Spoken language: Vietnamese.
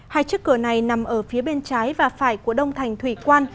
hai chiếc cửa này nằm ở phía bên trái và phải của đông thành thủy quan